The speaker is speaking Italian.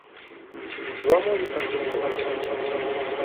Duomo di Santo Stefano